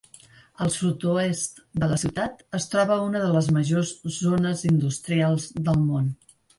Al sud-oest de la ciutat es troba una de les majors zones industrials del món.